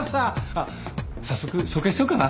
あっ早速紹介しちゃおうかな？